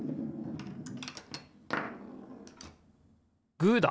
グーだ！